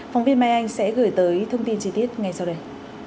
phóng viên mai anh sẽ gửi tới thông tin chi tiết ngay sau đây